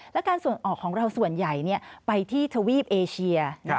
และการส่งออกของเราส่วนใหญ่ไปที่ทวีปเอเชีย